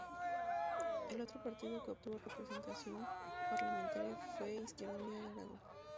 El otro partido que obtuvo representación parlamentaria fue Izquierda Unida de Aragón.